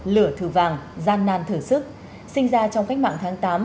lửa thử vàng gian nan thử sức sinh ra trong cách mạng tháng tám